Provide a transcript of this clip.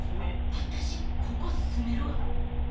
私ここ住めるわ。